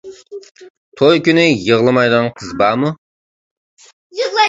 توي كۈنى يىغلىمايدىغان قىز بارمۇ؟